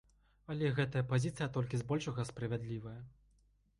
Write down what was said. Але гэтая пазіцыя толькі збольшага справядлівая.